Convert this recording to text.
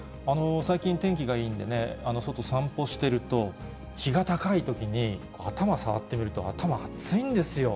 最近、天気がいいんでね、外、散歩してると、日が高いときに、頭触ってみると、頭熱いんですよ。